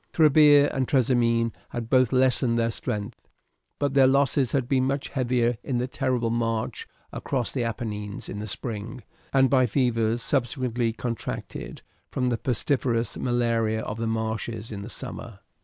Trebia and Trasimene had both lessened their strength, but their losses had been much heavier in the terrible march across the Apennines in the spring, and by fevers subsequently contracted from the pestiferous malaria of the marshes in the summer.